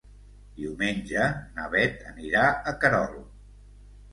Diumenge na Beth anirà a Querol.